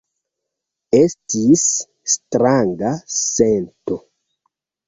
Estis stranga sento.